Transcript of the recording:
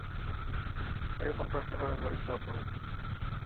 এরকম প্রশ্ন করা গর্হিত অপরাধ।